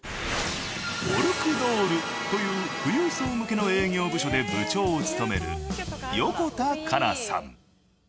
オルクドールという富裕層向けの営業部署で部長を務める横田佳奈さん。